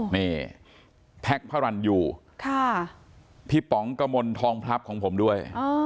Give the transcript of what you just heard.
นี่แพ็กพระรัณอยู่ค่ะพี่ปำบอกกะมลทองพลับของผมด้วยอ๋อ